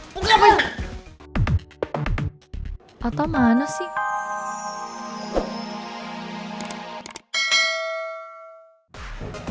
patah mana sih